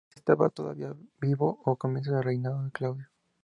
Quizá estaba todavía vivo a comienzos del reinado de Claudio.